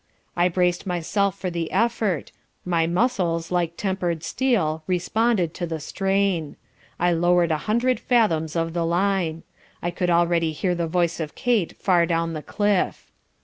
"I braced myself for the effort. My muscles like tempered steel responded to the strain. I lowered a hundred fathoms of the line. I could already hear the voice of Kate far down the cliff.